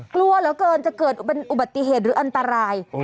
กลัวเหลือเกินจะเกิดเป็นอุบัติเหตุหรืออันตราย